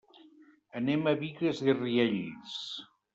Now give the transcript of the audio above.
Anem a Bigues i Riells.